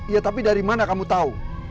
ya tapi dari mana kamu tahu